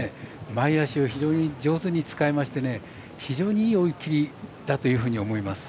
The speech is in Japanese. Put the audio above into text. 前脚を非常に上手に使いまして非常にいい追い切りだというふうに思います。